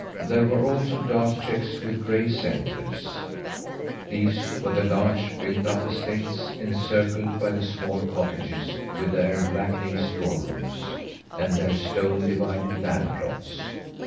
There were also dark checks with gray centres: these were the large, built up estates encircled by the small cottages with their blackening straw roofs, and their stone divided land plots.